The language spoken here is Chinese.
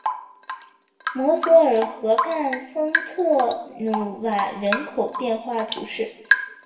摩泽尔河畔丰特努瓦人口变化图示